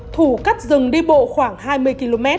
thủ cắt rừng đi bộ khoảng hai mươi km